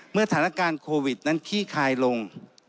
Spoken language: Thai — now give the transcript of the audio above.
สถานการณ์โควิดนั้นขี้คายลง